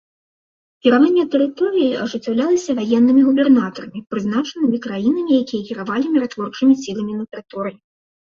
Кіраванне тэрыторыяй ажыццяўлялася ваеннымі губернатарамі, прызначанымі краінамі, якія кіравалі міратворчымі сіламі на тэрыторыі.